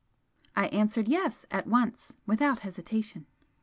I answered "Yes" at once, without hesitation.